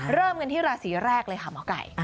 เริ่มกันที่ราศีแรกเลยค่ะหมอไก่